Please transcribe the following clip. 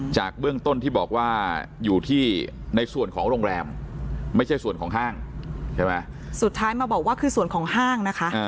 จากเบื้องต้นที่บอกว่าอยู่ที่ในส่วนของโรงแรมไม่ใช่ส่วนของห้างใช่ไหมสุดท้ายมาบอกว่าคือส่วนของห้างนะคะ